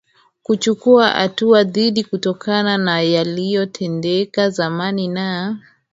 kuchukua hatua dhidiKutokana na yaliyotendeka zamani na